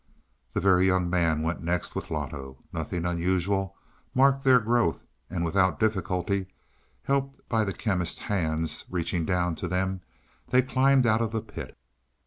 The Very Young Man went next, with Loto. Nothing unusual marked their growth, and without difficulty, helped by the Chemist's hands reaching down to them, they climbed out of the pit.